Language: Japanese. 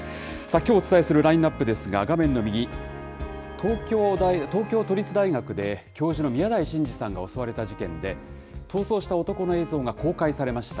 きょうお伝えするラインナップですが、画面の右、東京都立大学で教授の宮台真司さんが襲われた事件で、逃走した男の映像が公開されました。